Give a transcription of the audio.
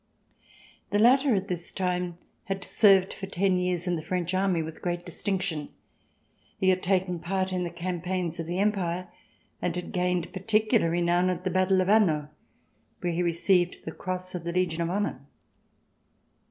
The latter at this time had served for ten years in the French army with great distinction. He had taken part in the campaigns of the Empire and had gained particular renown at the battle of Hanau where he received the cross of the Legion of Honor.